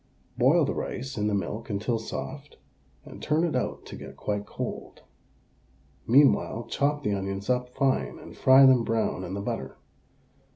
Boil the rice in the milk until soft, and turn it out to get quite cold. Meanwhile chop the onions up fine and fry them brown in the butter.